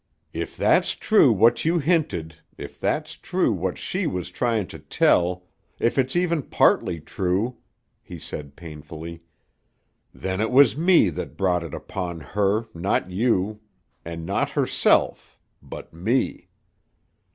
"If that's true what you hinted, if that's true what she was tryin' to tell, if it's even partly true," he said painfully, "then it was me that brought it upon her, not you an' not herself, but me."